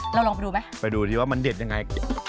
ลองไปดูไหมไปดูดิว่ามันเด็ดยังไง